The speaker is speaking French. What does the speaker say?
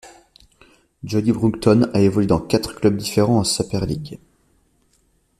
Jodie Broughton a évolué dans quatre clubs différents en Super League.